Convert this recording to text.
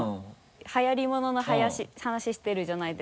はやりものの話してるじゃないですか。